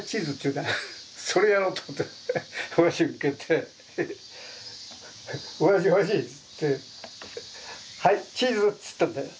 それやろうと思って親父に向けて「親父親父」っつって「はいチーズ」っつったんだよ。